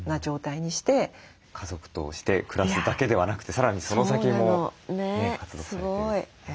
家族として暮らすだけではなくてさらにその先も活動されてる。